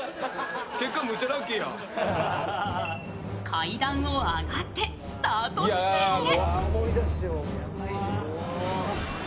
階段を上がってスタート地点へ。